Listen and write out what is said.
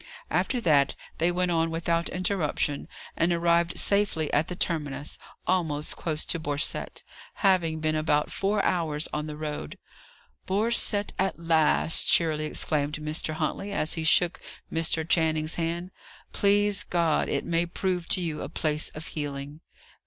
After that, they went on without interruption, and arrived safely at the terminus, almost close to Borcette, having been about four hours on the road. "Borcette at last!" cheerily exclaimed Mr. Huntley, as he shook Mr. Channing's hand. "Please God, it may prove to you a place of healing!"